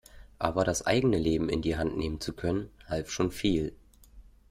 Aber das eigene Leben in die Hand nehmen zu können, half schon viel.